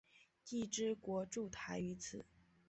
既之国筑台于此。